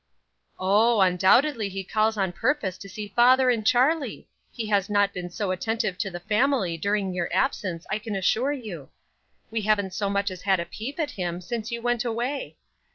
"Oh, undoubtedly he calls on purpose to see father and Charlie! He has not been so attentive to the family during your absence, I can assure you. We haven't so much as had a peep at him since you went away.